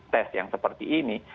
tes yang seperti ini